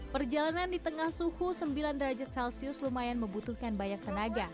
perjalanan di tengah suhu sembilan derajat celcius lumayan membutuhkan banyak tenaga